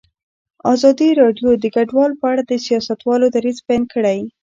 ازادي راډیو د کډوال په اړه د سیاستوالو دریځ بیان کړی.